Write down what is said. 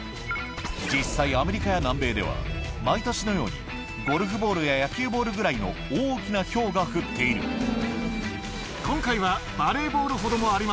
実際アメリカや南米では毎年のようにゴルフボールや野球ボールぐらいの大きな雹が降っていると思います。